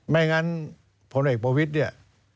ไม่งั้นพลังเอกโปรวิทย์